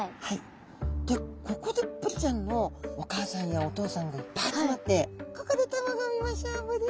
ここでブリちゃんのお母さんやお父さんがいっぱい集まって「ここで卵を産みましょうブリ」